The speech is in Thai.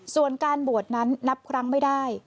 ส่วนการบวชนั้นนับครั้งไม่ได้